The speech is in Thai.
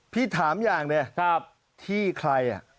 พี่ถามอย่างเนี่ยที่ใคร